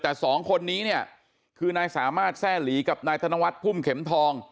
แต่สองคนนี้เนี่ยคือนายสามารถแทร่หลีกับนายธนวัฒน์พุ่มเข็มทอง